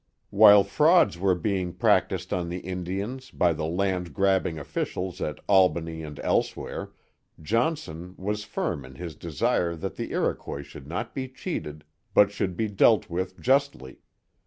While frauds were being practised on the Indians by the land grabbing officials at Albany and elsewhere, Johnson, was firm in his desire that the Iroquois should not be cheated but should be dealt with justly.